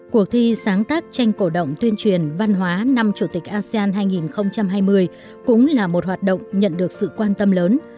cuộc thi sáng tác tranh cổ động tuyên truyền văn hóa năm chủ tịch asean hai nghìn hai mươi cũng là một hoạt động nhận được sự quan tâm lớn